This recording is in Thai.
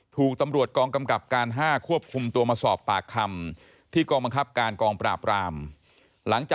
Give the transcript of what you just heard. ถูกตำรวจกองกำกับการ๕ควบคุมตัวมาสอบปากคำ